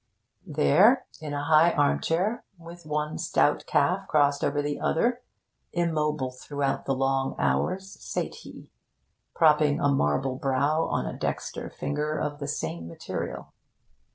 There, in a high armchair, with one stout calf crossed over the other, immobile throughout the long hours sate he, propping a marble brow on a dexter finger of the same material.